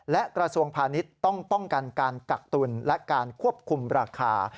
และกระทรวงพาณิชย์ต้องป้องกันการกักตุลและการควบคุมราคา